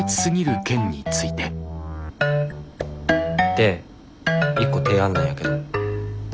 で一個提案なんやけど。